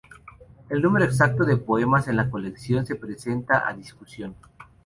El número exacto de poemas en la colección se presta a discusión.